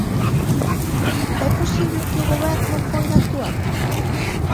Ve posible que o Goberno poida actuar?